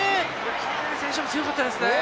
カティル選手も強かったですね。